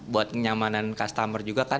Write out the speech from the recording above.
buat kenyamanan customer juga kan